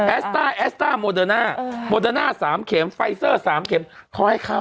สต้าแอสต้าโมเดอร์น่าโมเดอร์น่า๓เข็มไฟเซอร์๓เข็มเขาให้เข้า